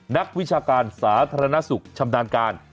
นักวิชาการสาธารณสุขชำนาญการ